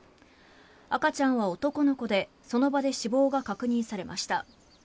赤ちゃんは男の子でその場で死亡が確認されました。